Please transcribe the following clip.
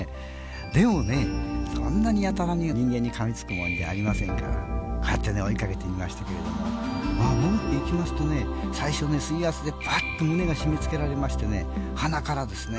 でもね、そんなにやたらに人間にかみつくもんじゃありませんから勝手に追い掛けてみましたけども潜っていきますと最初、水圧で胸が締め付けられまして鼻からですね